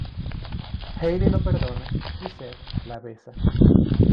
Hayley lo perdona y Seth la besa.